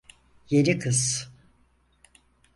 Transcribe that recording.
Yeni kız.